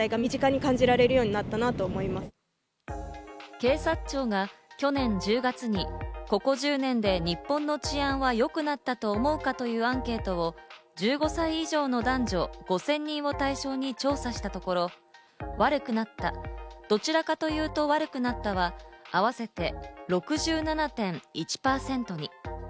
警察庁が去年１０月に、ここ１０年で日本の治安は良くなったと思うか？というアンケートを１５歳以上の男女５０００人を対象に調査したところ、悪くなった、どちらかといえば悪くなったは合わせて６７．１％に。